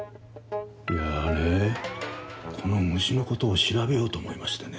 いやねこの虫のことを調べようと思いましてね